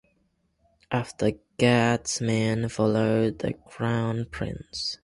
After the guardsmen followed the Crown Prince.